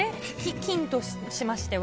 金としましては。